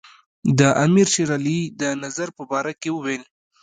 د امیر شېر علي د نظر په باره کې وویل.